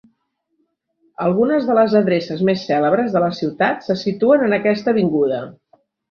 Algunes de les adreces més cèlebres de la ciutat se situen en aquesta avinguda.